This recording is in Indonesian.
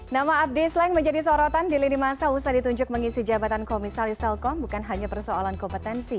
nama abdi slang menjadi sorotan di lini masa usaha ditunjuk mengisi jabatan komisaris telkom bukan hanya persoalan kompetensi